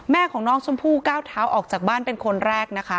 แม่ของน้องชมพู่ก้าวเท้าออกจากบ้านเป็นคนแรกนะคะ